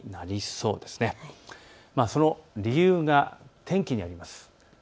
その理由が天気にあります。